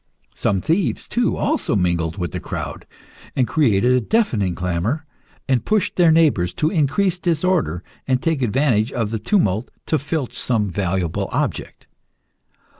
Some thieves, too, also mingled with the crowd, and created a deafening clamour, and pushed their neighbours, to increase disorder, and take advantage of the tumult to filch some valuable object.